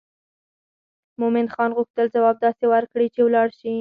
مومن خان غوښتل ځواب داسې ورکړي چې ولاړ شي.